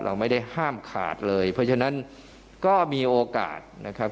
เราไม่ได้ห้ามขาดเลยเพราะฉะนั้นก็มีโอกาสนะครับ